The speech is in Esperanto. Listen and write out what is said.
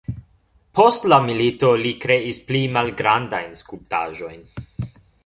Post la milito li kreis pli malgrandajn skulptaĵojn.